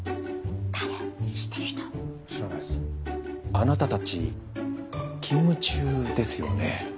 あなたたち勤務中ですよね？